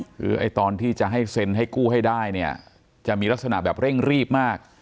คือไอ้ตอนที่จะให้เซ็นให้กู้ให้ได้เนี่ยจะมีลักษณะแบบเร่งรีบมาก